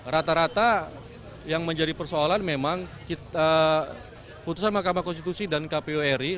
rata rata yang menjadi persoalan memang putusan mahkamah konstitusi dan kpu ri